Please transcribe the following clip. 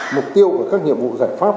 mục tiêu và các nhiệm vụ giải pháp